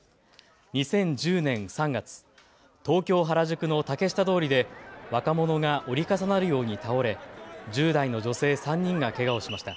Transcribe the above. ２０１０年３月、東京原宿の竹下通りで若者が折り重なるように倒れ１０代の女性３人がけがをしました。